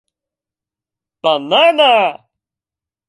Banana